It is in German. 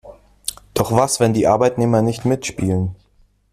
Doch was, wenn die Arbeitnehmer nicht mitspielen?